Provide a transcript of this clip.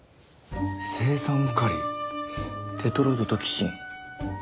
青酸カリテトロドトキシン。